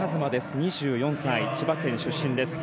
２４歳千葉県出身です。